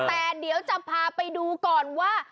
แต่เดี๋ยวจะพาไปดูก่อนว่า